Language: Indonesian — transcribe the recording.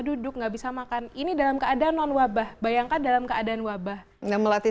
duduk enggak bisa makan ini dalam keadaan nonwabah bayangkan dalam keadaan wabah enggak melatih